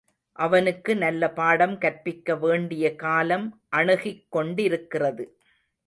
அவனுக்கு நல்ல பாடம் கற்பிக்க வேண்டிய காலம் அணுகிக் கொண்டிருக்கிறது.